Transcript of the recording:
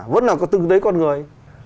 vẫn là có tư thế con người